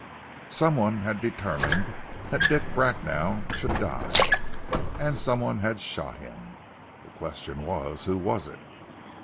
Some one had determined that Dick Bracknell should die, and some one had shot him. The question was who was it?